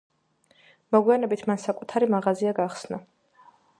მოგვიანებით მან საკუთარი მაღაზია გახსნა.